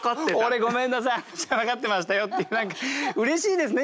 俺ごめんなさい分かってましたよっていう何かうれしいですね